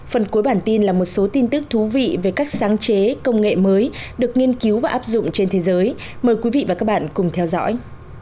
phần cuối bản tin là một số tin tức thú vị về các sáng chế công nghệ mới được nghiên cứu và áp dụng trên thế giới mời quý vị và các bạn cùng theo dõi